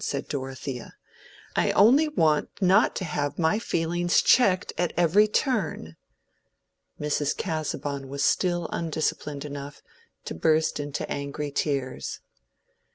said Dorothea. "I only want not to have my feelings checked at every turn." Mrs. Casaubon was still undisciplined enough to burst into angry tears.